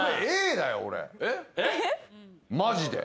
マジで。